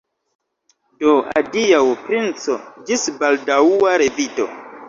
Do, adiaŭ, princo, ĝis baldaŭa revido!